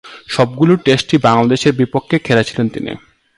সবগুলো টেস্টই বাংলাদেশের বিপক্ষে খেলেছিলেন তিনি।